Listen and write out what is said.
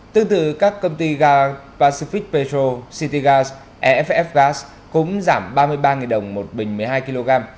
tương từ các công ty ga pacific petro citygas eff gas cũng giảm ba mươi ba đồng một bình một mươi hai kg